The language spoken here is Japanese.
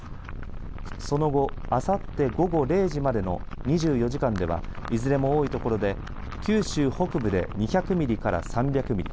その後、あさって午後０時までの２４時間ではいずれも多いところで九州北部で２００ミリから３００ミリ